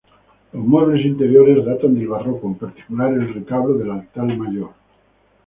Los muebles interiores datan del barroco, en particular, el retablo del altar mayor.